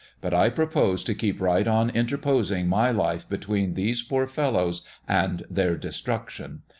But I propose to keep right on inter posing "my life between these poor fellows and their destruction.